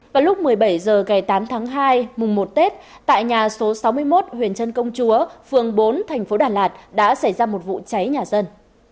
vào lúc một mươi bảy h ngày tám tháng hai mùng một tết tại nhà số sáu mươi một huyền trân công chúa phường bốn thành phố đà lạt đã xảy ra một vụ cháy nhà dân